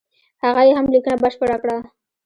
هغه یې هم لیکنه بشپړه کړه.